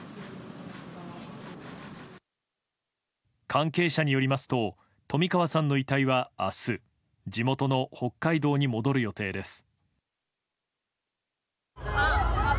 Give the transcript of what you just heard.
関係者によりますと冨川さんの遺体は明日地元の北海道に戻る予定です。